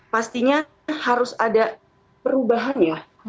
pastinya harus ada perubahan ya